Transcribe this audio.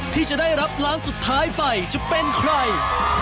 ที่จะได้รับล้านสุดท้ายไปจะเป็นใคร